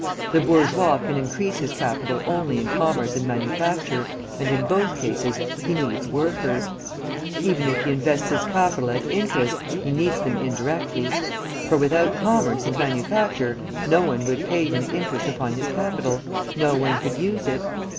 The bourgeois can increase his capital only in commerce and manufacture, and in both cases he needs workers. Even if he invests his capital at interest, he needs them indirectly; for without commerce and manufacture, no one would pay him interest upon his capital, no one could use it.